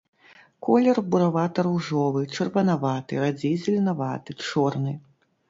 Колер буравата-ружовы, чырванаваты, радзей зеленаваты, чорны.